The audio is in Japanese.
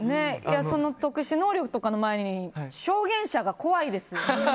その特殊能力とかの前に証言者が怖いです。